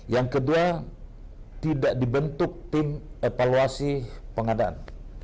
yang kedua tidak dibentuk tim evaluasi pengadaan